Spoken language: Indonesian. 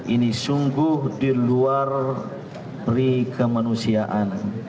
ini sungguh diluar pri kemanusiaan